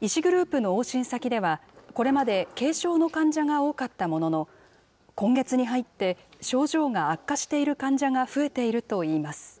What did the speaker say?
医師グループの往診先では、これまで軽症の患者が多かったものの、今月に入って症状が悪化している患者が増えているといいます。